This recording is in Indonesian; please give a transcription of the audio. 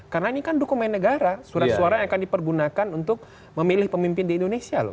karena ini kan dokumen negara surat suara yang akan dipergunakan untuk memilih pemimpin di indonesia loh